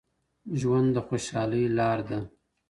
ژوند د خوشحالۍ لار ده؟